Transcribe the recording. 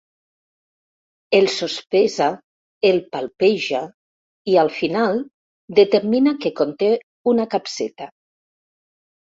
El sospesa, el palpeja i al final determina que conté una capseta.